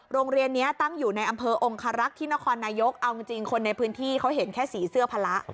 โรงเรียนนี้ตั้งอยู่ในอำเภอองคารักษ์ที่นครนายกเอาจริงคนในพื้นที่เขาเห็นแค่สีเสื้อพละ